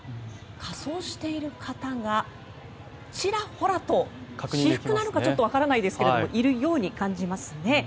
仮装している方がちらほらと私服なのかちょっとわからないですがいるように感じますね。